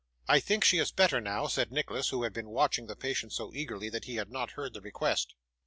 'I think she is better now,' said Nicholas, who had been watching the patient so eagerly, that he had not heard the request.